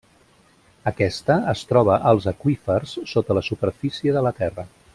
Aquesta es troba als aqüífers sota la superfície de la terra.